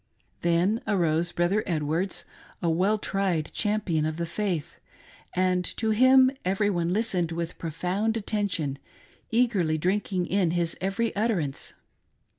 Then arose Brother Edwards, a well tried champion of the faith, and to him every one listened with profound attention, eagerly drinking in his every utterance.